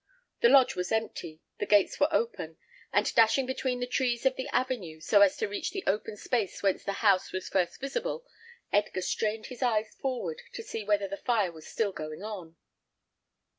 The lodge was empty, the gates were open; and dashing between the trees of the avenue, so as to reach the open space whence the house was first visible, Edgar strained his eyes forward to see whether the fire was still going on.